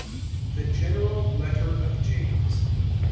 THE GENERAL LETTER OF JAMES.